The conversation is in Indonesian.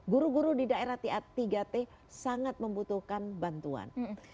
guru guru di daerah tiga t sangat membutuhkan bantuan